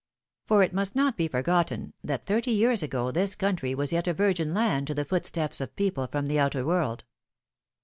For it must not be forgotten, that thirty years ago this country was yet a virgin land to the footsteps of people from the outer world.